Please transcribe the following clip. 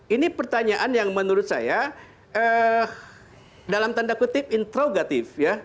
ini pertanyaan yang menurut saya dalam tanda kutip introgatif ya